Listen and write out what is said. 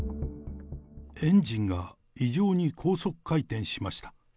エンジンが異常に高速回転しました。